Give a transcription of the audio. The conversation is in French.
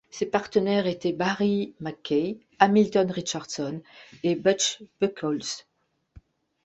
Ses partenaires étaient Barry MacKay, Hamilton Richardson et Butch Buchholz.